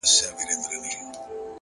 روښانه موخې روښانه لارې پیدا کوي